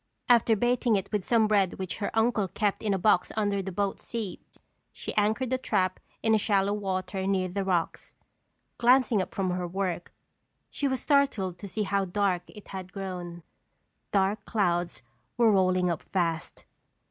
After baiting it with some bread which her uncle kept in a box under the boat seat, she anchored the trap in shallow water near the rocks. Glancing up from her work, she was startled to see how dark it had grown. Dark clouds were rolling up fast.